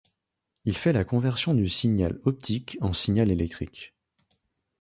Il fait la conversion du signal optique en signal électrique.